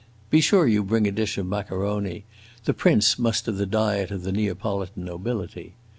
Be sure you bring a dish of maccaroni; the prince must have the diet of the Neapolitan nobility.